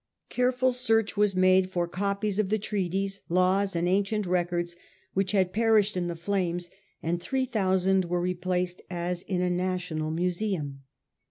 Careful search was made for copies of the treaties, laws, and ancient records which had perished in the flames, and three thousand were replaced, as in a national museunx A.